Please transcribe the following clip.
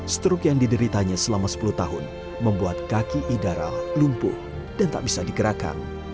stroke yang dideritanya selama sepuluh tahun membuat kaki idara lumpuh dan tak bisa digerakkan